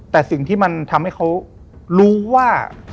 แต่สิ่งที่มันทำให้เขารู้ว่า